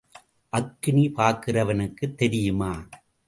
அக்கினி பார்க்கிறவனுக்குத் தெரியுமா?